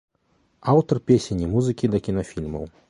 Аўтар песень і музыкі да кінафільмаў.